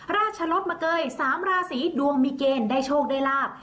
ราชลดมาเกย๓ราศีดวงมีเกณฑ์ได้โชคได้ลาบ